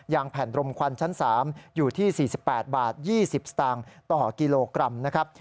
แผ่นรมควันชั้น๓อยู่ที่๔๘บาท๒๐สตางค์ต่อกิโลกรัมนะครับ